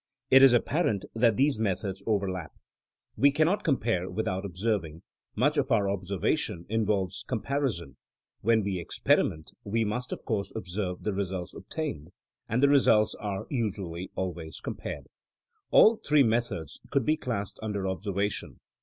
It is apparent that these methods overlap. We cannot com pare without observing, much of our observation involves comparison, when we experiment we must of course observe the results obtained, and the results are usually always compared. All three methods could be classed under observa tion.